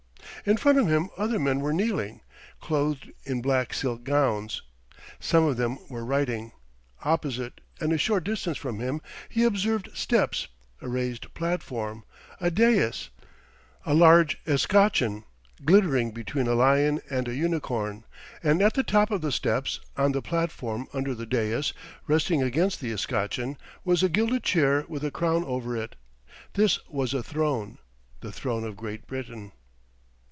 In front of him other men were kneeling, clothed in black silk gowns. Some of them were writing; opposite, and a short distance from him, he observed steps, a raised platform, a dais, a large escutcheon glittering between a lion and a unicorn, and at the top of the steps, on the platform under the dais, resting against the escutcheon, was a gilded chair with a crown over it. This was a throne the throne of Great Britain.